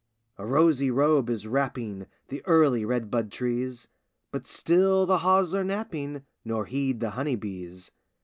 A rosy robe is wrapping The early red bud trees; But still the haws are napping, Nor heed the honey bees.